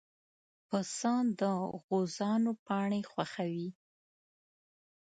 پسه د غوزانو پاڼې خوښوي.